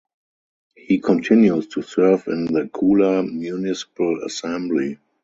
He continues to serve in the Kula municipal assembly.